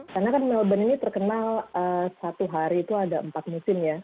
karena kan melbourne ini terkenal satu hari itu ada empat musim ya